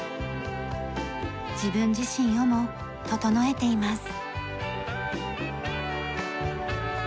自分自身をも整えています。